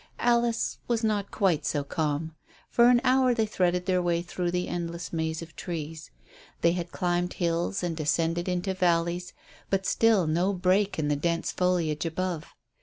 Alice was not quite so calm. For an hour they threaded their way through the endless maze of trees. They had climbed hills and descended into valleys, but still no break in the dense foliage above.